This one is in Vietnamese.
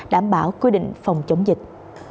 đảm bảo quyết định phòng chống dịch